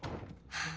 はあ。